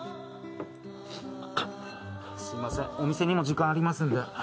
すみません、お店にも時間ありますんで。